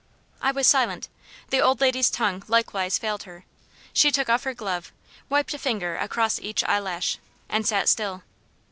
I was silent. The old lady's tongue likewise failed her. She took off her glove, wiped a finger across each eyelash, and sat still.